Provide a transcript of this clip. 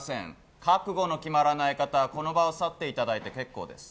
覚悟の決まらない方は、この場を去っていただいて結構です。